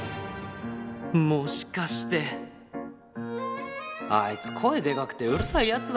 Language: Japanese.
もしかしてあいつ声でかくてうるさいヤツだな。